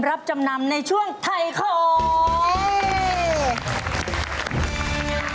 รับจำนำในช่วงไทยของ